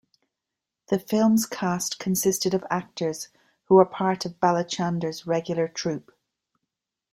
The film's cast consisted of actors who were a part of Balachander's regular troupe.